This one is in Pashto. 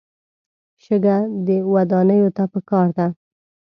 شګه ودانیو ته پکار ده.